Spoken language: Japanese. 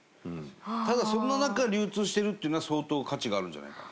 ただ、そんな中流通してるっていうのは相当価値があるんじゃないかな。